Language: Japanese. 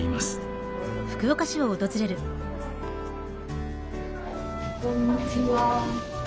こんにちは。